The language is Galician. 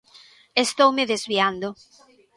Estoume desviando.